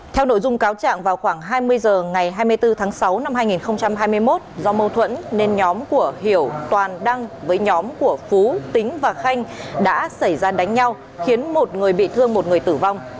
theo nội dung cáo trạng vào khoảng hai mươi h ngày hai mươi bốn tháng sáu năm hai nghìn hai mươi một do mâu thuẫn nên nhóm của hiểu toàn đăng với nhóm của phú tính và khanh đã xảy ra đánh nhau khiến một người bị thương một người tử vong